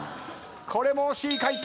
これも惜しい回答。